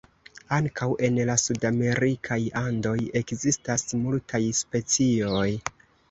Ankaŭ en la sudamerikaj Andoj ekzistas multaj specioj.